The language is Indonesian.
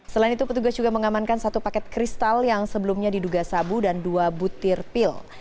selain itu petugas juga mengamankan satu paket kristal yang sebelumnya diduga sabu dan dua butir pil